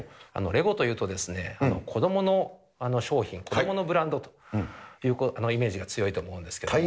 レゴというと、子どもの商品、子どものブランドというイメージが強いと思うんですけども。